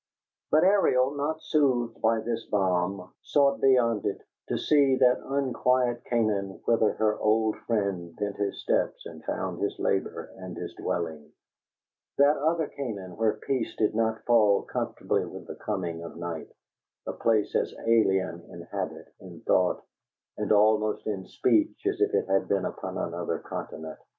But Ariel, not soothed by this balm, sought beyond it, to see that unquiet Canaan whither her old friend bent his steps and found his labor and his dwelling: that other Canaan where peace did not fall comfortably with the coming of night; a place as alien in habit, in thought, and almost in speech as if it had been upon another continent.